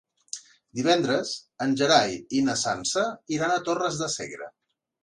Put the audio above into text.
Divendres en Gerai i na Sança iran a Torres de Segre.